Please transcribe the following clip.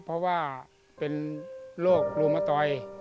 เพราะว่าเป็นโรคโรมะตอย